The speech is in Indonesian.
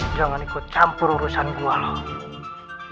jangan ikut campur urusan gue loh